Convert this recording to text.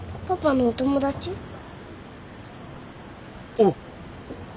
おう。